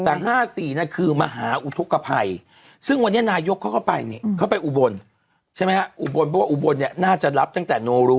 แต่ห้าสี่น่ะคือมหาอุทุกข์กระไพรซึ่งวันนี้นายกเขาก็ไปเขาไปอุบลใช่ไหมฮะอุบลเนี่ยหน้าจะรับตั้งแต่